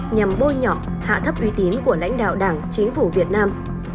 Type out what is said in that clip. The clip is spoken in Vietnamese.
nhằm bôi nhọ hạ thấp uy tín của lãnh đạo đảng chính phủ việt nam